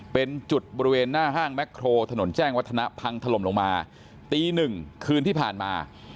เป็นจุดบริเวณหน้าห้างแม็กโครถนนแจ้งวัฒนะพังถล่มลงมาตีหนึ่งคืนที่ผ่านมา